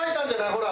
ほら！